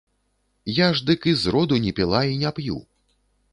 Я ж дык і зроду не піла і не п'ю.